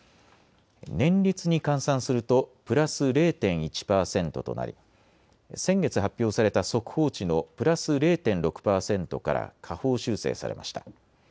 年率に換算するとプラス０．１％となり、先月発表された速報値のプラス０．６％から下方修正されました。